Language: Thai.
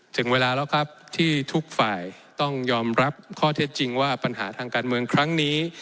ถึงเวลาแล้วครับที่ทุกฝ่ายต้องยอมรับข้อเท็จจริงว่าปัญหาทางการเมืองครั้งนี้